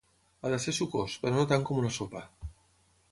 Ha de ser sucós, però no tant com una sopa.